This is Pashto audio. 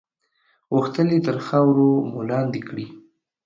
غوښتل یې تر خاورو مو لاندې کړي.